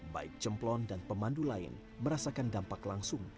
baik cemplon dan pemandu lain merasakan dampak langsung